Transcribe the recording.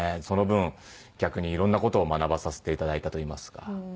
その分逆にいろんな事を学ばさせていただいたといいますか。